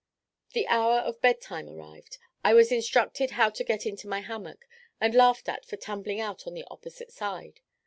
The hour of bed time arrived. I was instructed how to get into my hammock, and laughed at for tumbling out on the opposite side.